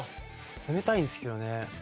攻めたいんですけどね。